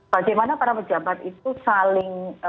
bagaimana para pejabat itu saling